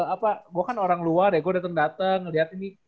apa gue kan orang luar ya gue dateng dateng liat ini